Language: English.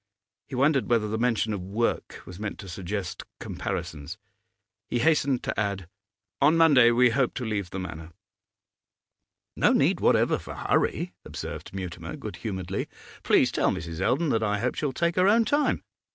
He wondered whether the mention of work was meant to suggest comparisons. He hastened to add 'On Monday we hope to leave the Manor.' 'No need whatever for hurry,' observed Mutimer, good humouredly. 'Please tell Mrs. Eldon that I hope she will take her own time.